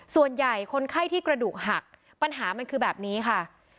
ส่วนใหญ่คนไข้ที่กระดูกหักปัญหามันคือแบบนี้ค่ะ